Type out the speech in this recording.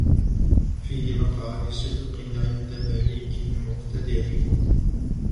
فِي مَقْعَدِ صِدْقٍ عِنْدَ مَلِيكٍ مُقْتَدِرٍ